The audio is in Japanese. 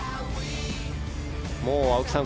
もう、青木さん。